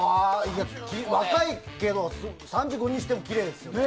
若いけど３５にしてもきれいですよね。